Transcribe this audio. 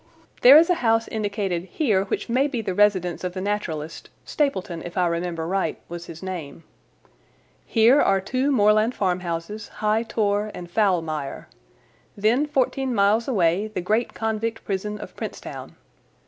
There is a house indicated here which may be the residence of the naturalist—Stapleton, if I remember right, was his name. Here are two moorland farmhouses, High Tor and Foulmire. Then fourteen miles away the great convict prison of Princetown.